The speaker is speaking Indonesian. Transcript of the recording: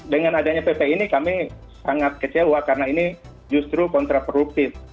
dengan adanya pp ini kami sangat kecewa karena ini justru kontraproduktif